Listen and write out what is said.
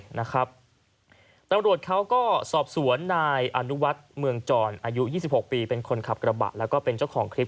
ตำรวจเขาก็สอบสวนนายอนุวัฒน์เมืองจรอายุ๒๖ปีเป็นคนขับกระบะแล้วก็เป็นเจ้าของคลิป